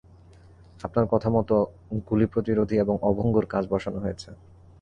আপনার কথামতো গুলি-প্রতিরোধী এবং অভঙ্গুর কাঁচ বসানো হয়েছে।